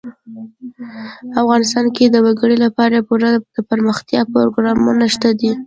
افغانستان کې د وګړي لپاره پوره دپرمختیا پروګرامونه شته دي.